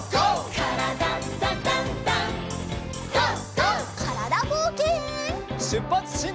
からだぼうけん。